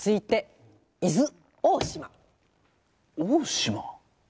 大島？